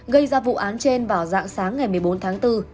gây ra vụ án trên vào dạng sáng ngày một mươi bốn tháng bốn